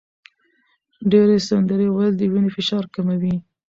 ډېر سندرې ویل د وینې فشار کموي.